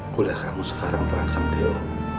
kuliah kamu sekarang terancam bila